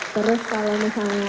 terus kalau misalnya